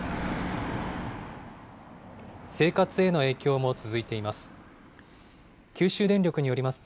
生活への影響も続いています。